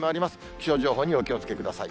気象情報にお気をつけください。